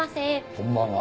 こんばんは。